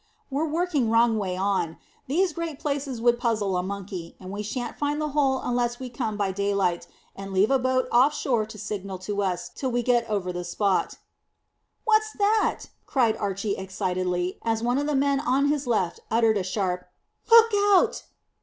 "We're working wrong way on. These great places would puzzle a monkey, and we shan't find the hole unless we come by daylight, and leave a boat off shore to signal to us till we get over the spot." "What's that?" cried Archy excitedly, as one of the men on his left uttered a sharp, "Look out!"